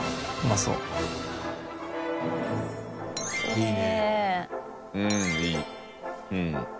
葦いいね。